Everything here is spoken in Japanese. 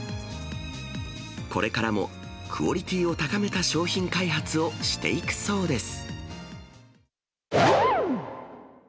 これからもクオリティーを高めた商品開発をしていくそうです。